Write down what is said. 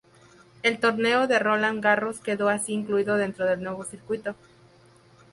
El Torneo de Roland Garros quedó así incluido dentro del nuevo circuito.